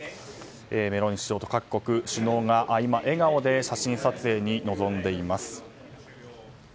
メローニ首相と各国の首脳が笑顔で写真撮影に臨んでいます。